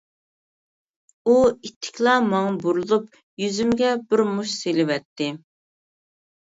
ئۇ ئىتتىكلا ماڭا بۇرۇلۇپ، يۈزۈمگە بىر مۇش سېلىۋەتتى.